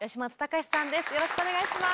よろしくお願いします。